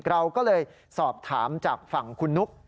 เราก็เลยสอบถามจากฝั่งคุณนุ๊ก